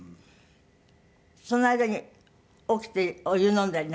その間に起きてお湯飲んだりなんかしない？